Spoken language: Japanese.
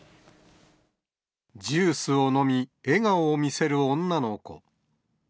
ジュースを飲み、笑顔を見せる女の子。